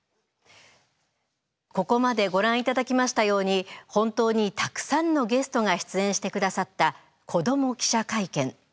ここまでご覧いただきましたように本当にたくさんのゲストが出演してくださった「子ども記者会見」。